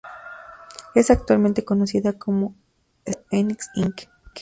Es actualmente conocida como Square Enix, Inc.